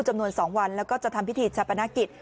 จำนวน๒วันแล้วก็จะทำพิธีชาปนกิจ